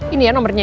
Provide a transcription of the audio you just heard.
ini ya nomernya ya